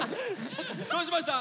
どうしました？